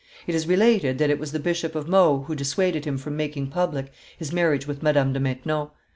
It is related that it was the Bishop of Meaux who dissuaded him from making public his marriage with Madame de Maintenon.